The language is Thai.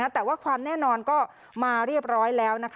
แต่ว่าความแน่นอนก็มาเรียบร้อยแล้ว